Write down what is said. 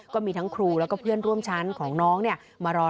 ก็มีทั้งครูแล้วก็เพื่อนร่วมชั้นของน้องมารอ